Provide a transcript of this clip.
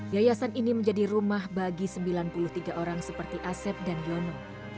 yayasan ini menjadi rumah bagi sembilan puluh tiga orang seperti asep dan yono